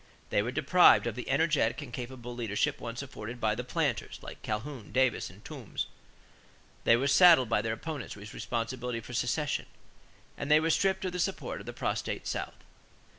They were deprived of the energetic and capable leadership once afforded by the planters, like Calhoun, Davis, and Toombs; they were saddled by their opponents with responsibility for secession; and they were stripped of the support of the prostrate South.